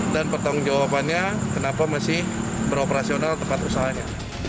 dan pertanggung jawabannya kenapa masih beroperasional tempat usahanya